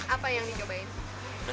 apa yang digabain